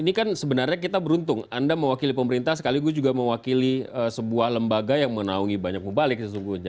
ini kan sebenarnya kita beruntung anda mewakili pemerintah sekaligus juga mewakili sebuah lembaga yang menaungi banyak mubalik sesungguhnya